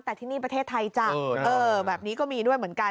แต่ที่นี่ประเทศไทยจ้ะแบบนี้ก็มีด้วยเหมือนกัน